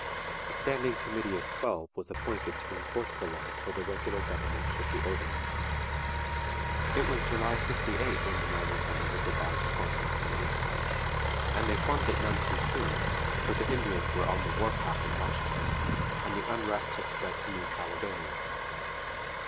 A standing committee of twelve was appointed to enforce the law till the regular government should be organized. It was July '58 when the miners on the river bars formed their committee. And they formed it none too soon, for the Indians were on the war path in Washington and the unrest had spread to New Caledonia.